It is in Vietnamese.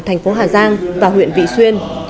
thành phố hà giang và huyện vị xuyên